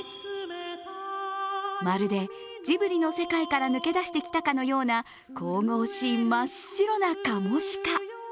まるでジブリの世界から抜け出してきたかのような神々しい真っ白なカモシカ。